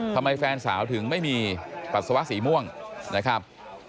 แฟนสาวถึงไม่มีปัสสาวะสีม่วงนะครับ